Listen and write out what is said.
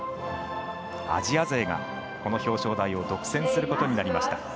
アジア勢がこの表彰台を独占することになりました。